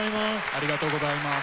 ありがとうございます。